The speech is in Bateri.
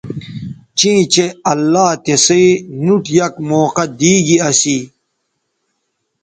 چیں چہء اللہ تسئ نوٹ یک موقعہ دی گی اسی